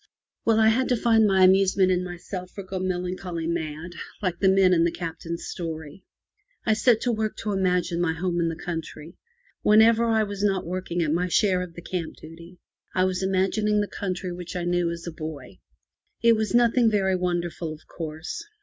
Well, I had to find my amusement in myself, or go melancholy mad, like the men in the Captain's story. I set to work to imagine my home in the country. Whenever I was not working at my share of the camp duty, I was imagining the country which I knew as a boy. It was nothing very wonderful, of course.